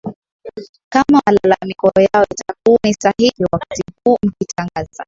kama malalamiko yao yatakuwa ni sahihi wakati huu mkitangaza